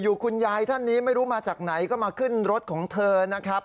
คุณยายท่านนี้ไม่รู้มาจากไหนก็มาขึ้นรถของเธอนะครับ